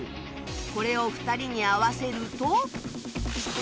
これを２人に合わせると